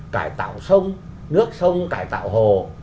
cải tạo sông nước sông cải tạo hồ